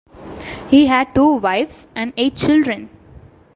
He had two wives and eight children.